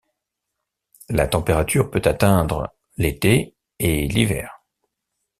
La température peut atteindre l'été et l'hiver.